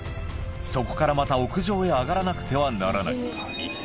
そこからまた屋上へ上がらなくてはならない。